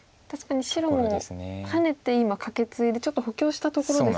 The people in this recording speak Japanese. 確かに白もハネて今カケツイでちょっと補強したところ。